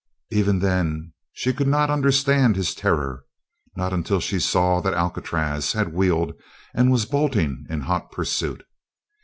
Even then she could not understand his terror not until she saw that Alcatraz had wheeled and was bolting in hot pursuit.